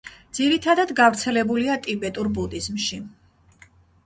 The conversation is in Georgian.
ძირითადად, გავრცელებულია ტიბეტურ ბუდიზმში.